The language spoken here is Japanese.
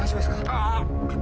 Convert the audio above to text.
ああ。